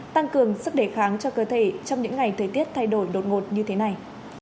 tăng cường sức đề kháng cho cơ thể trong những ngày thời tiết thay đổi đột ngột như thế này